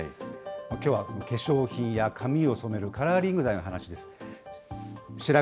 きょうは化粧品や髪を染めるカラーリング剤の話です。